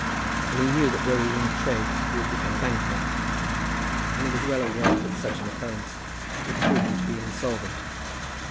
And he knew that were he in trade he would become a bankrupt; and he was well aware that such an occurrence would prove him to be insolvent.